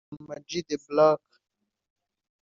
Ama-G the Black